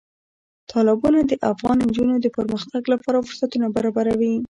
تالابونه د افغان نجونو د پرمختګ لپاره فرصتونه برابروي.